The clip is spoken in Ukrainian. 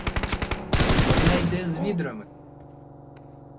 Вона йде з відрами!